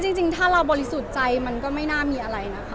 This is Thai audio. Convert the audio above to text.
จริงถ้าเราบริสุทธิ์ใจมันก็ไม่น่ามีอะไรนะคะ